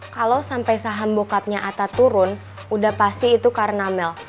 kalo sampe saham bokapnya ata turun udah pasti itu karena mel